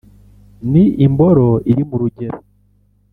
ni imboro iri mu rugero